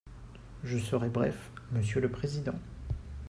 Je serai bref, monsieur le président.